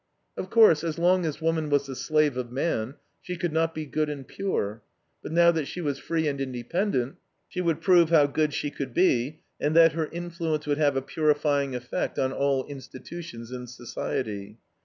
Of course, as long as woman was the slave of man, she could not be good and pure, but now that she was free and independent she would prove how good she could be and that her influence would have a purifying effect on all institutions in society.